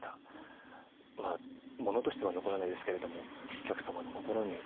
まあ物としては残らないですけれどもお客様の心に。